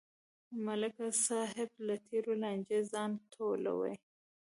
ملک صاحب له تېرې لانجې ځان ټولوي.